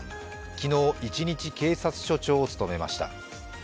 昨日、一日警察署長を務めました。